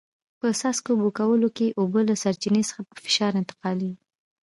په څاڅکو اوبه کولو کې اوبه له سرچینې څخه په فشار انتقالېږي.